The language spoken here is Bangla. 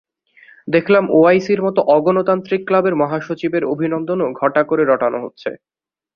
দেখলাম ওআইসির মতো অগণতান্ত্রিক ক্লাবের মহাসচিবের অভিনন্দনও ঘটা করে রটানো হচ্ছে।